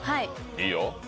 いいよ。